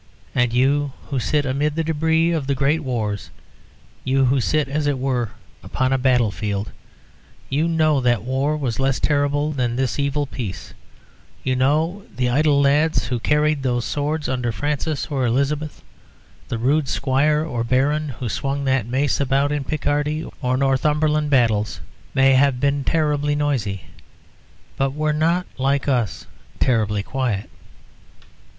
And you who sit, amid the débris of the great wars, you who sit, as it were, upon a battlefield, you know that war was less terrible than this evil peace; you know that the idle lads who carried those swords under Francis or Elizabeth, the rude Squire or Baron who swung that mace about in Picardy or Northumberland battles, may have been terribly noisy, but were not like us, terribly quiet."